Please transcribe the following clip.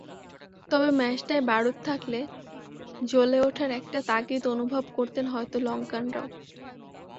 তবে ম্যাচটায় বারুদ থাকলে জ্বলে ওঠার একটা তাগিদ অনুভব করতেন হয়তো লঙ্কানরাও।